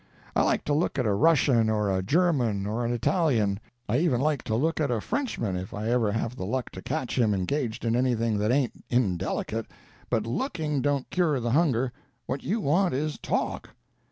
I like to look at a Russian or a German or an Italian—I even like to look at a Frenchman if I ever have the luck to catch him engaged in anything that ain't indelicate—but looking don't cure the hunger—what you want is talk."